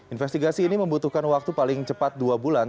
investigasi ini membutuhkan waktu paling cepat dua bulan